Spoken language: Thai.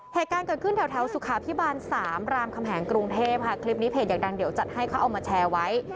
เหตุการณ์เกิดขึ้นแถวสุขาพิบาล๓รามคำแหงกรุงเทพค่ะคลิปนี้เพจอยากดังเดี๋ยวจัดให้เขาเอามาแชร์ไว้